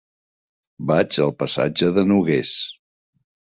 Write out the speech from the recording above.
Vaig al passatge de Nogués.